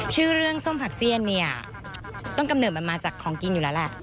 ชื่อเรื่องส้มผักเซียนเนี่ยต้นกำเนิดมันมาจากของกินอยู่แล้วแหละ